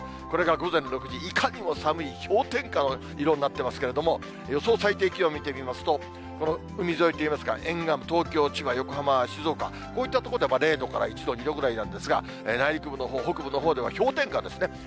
これが午前６時、いかにも寒い氷点下の色になってますけれども、予想最低気温見てみますと、この海沿いといいますか、沿岸部、東京、千葉、横浜、静岡、こういった所では、０度から１度、２度ぐらいなんですが、内陸部のほう、北部のほうでは氷点下ですね。